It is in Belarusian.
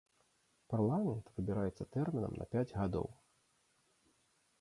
Парламент выбіраецца тэрмінам на пяць гадоў.